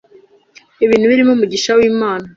ibintu birimo umugisha w’Imana,